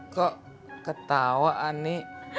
kok ketawa ani